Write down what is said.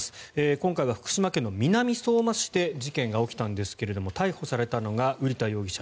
今回は福島県の南相馬市で事件が起きたんですが逮捕されたのが瓜田容疑者